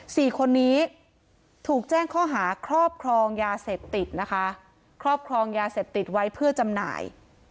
สี่คนนี้ถูกแจ้งข้อหาครอบครองยาเสพติดนะคะครอบครองยาเสพติดไว้เพื่อจำหน่าย